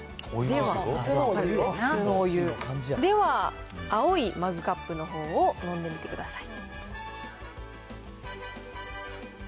では、青いマグカップのほうを飲んでみてください。